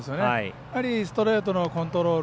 やはりストレートのコントロール